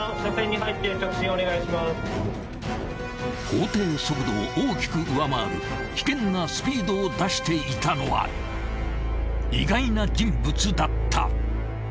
［法定速度を大きく上回る危険なスピードを出していたのは意外な人物だった］